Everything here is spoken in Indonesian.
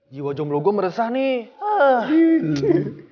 jiwa jomblo gue meresah nih